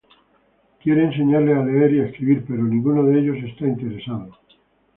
Él quiere enseñarles a leer y a escribir, pero ninguno de ellos está interesado.